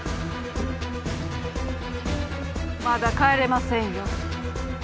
まだ帰れませんよ。